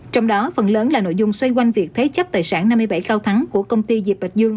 trong đó phần lớn là nội dung xoay quanh việc thế chấp tài sản năm mươi bảy cao thắng của công ty diệp bạch dương